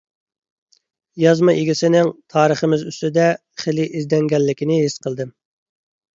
يازما ئىگىسىنىڭ تارىخىمىز ئۈستىدە خېلى ئىزدەنگەنلىكىنى ھېس قىلدىم.